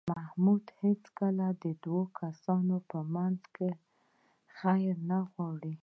محمود هېڅکله د دو کسانو منځ کې خیر نه غواړي.